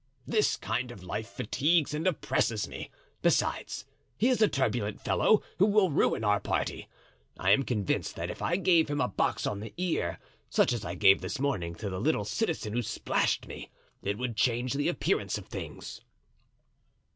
This kind of life fatigues and oppresses me; besides, he is a turbulent fellow, who will ruin our party. I am convinced that if I gave him a box on the ear, such as I gave this morning to the little citizen who splashed me, it would change the appearance of things."